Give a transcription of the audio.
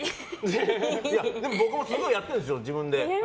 僕もすごいやってるんです自分で。